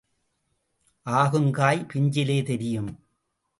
ஆகும் காய் பிஞ்சிலே தெரியும்.